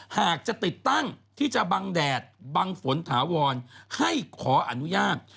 หากจะติดตั้งที่จะบังแดดบังฝนถาวรให้ขออนุญาต